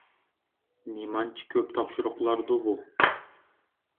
نېمانچە كۆپ تاپشۇرۇقلاردۇ بۇ؟